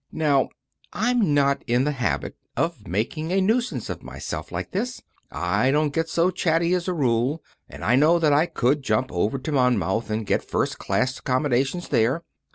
"Now, I'm not in the habit of making a nuisance of myself like this. I don't get so chatty as a rule, and I know that I could jump over to Monmouth and get first class accommodations there.